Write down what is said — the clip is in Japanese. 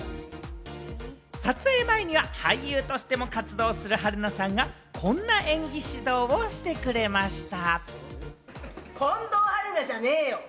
撮影前には俳優としても活動する春菜さんがこんな演技指導をしてくれました。